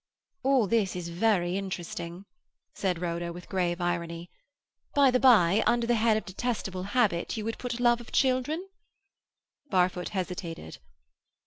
"All this is very interesting," said Rhoda, with grave irony. "By the bye, under the head of detestable habit you would put love of children?" Barfoot hesitated.